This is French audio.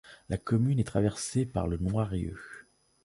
La commune est traversée par le Noirrieu.